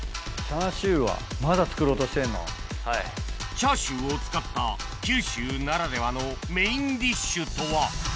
チャーシューを使った九州ならではのメインディッシュとは？